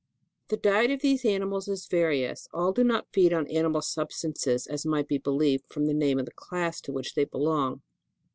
12. The diet of these animals is various ; all do not feed on animal substances, as might be believed, from the name of the class to which they belong.